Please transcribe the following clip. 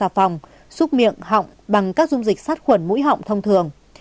phòng xúc miệng họng bằng các dung dịch sát khuẩn mũi họng thông thường